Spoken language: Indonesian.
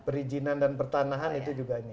perizinan dan pertanahan itu juga